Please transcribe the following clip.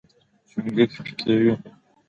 چونګښې پکې وي.